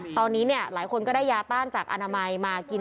ตอนนี้หลายคนก็ได้ยาต้านจากอนามัยมากิน